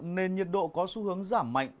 nên nhiệt độ có xu hướng giảm mạnh